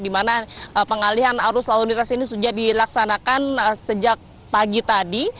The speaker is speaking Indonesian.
di mana pengalihan arus lalu lintas ini sudah dilaksanakan sejak pagi tadi